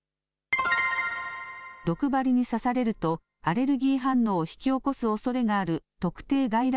毒針に刺されるとアレルギー反応を引き起こすおそれのある特定外来